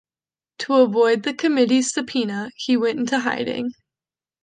To avoid the committee's subpoena, he went into hiding.